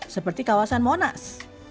seperti kawasan monas